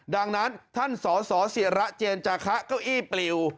ดังนั้นท่านสสิระเจนจาคะเก้าอี้ปลิว